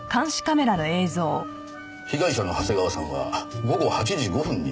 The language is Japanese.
被害者の長谷川さんは午後８時５分に帰宅しています。